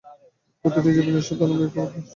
প্রতিটি জীবের নিজস্ব দানবীয় ক্ষেত্র রয়েছে।